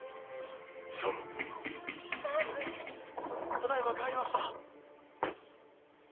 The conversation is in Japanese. ただいま帰りました。